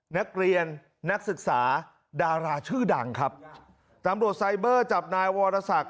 นักเรียนนักศึกษาดาราชื่อดังครับตำรวจไซเบอร์จับนายวรศักดิ